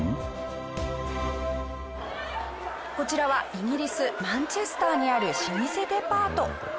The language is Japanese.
こちらはイギリスマンチェスターにある老舗デパート。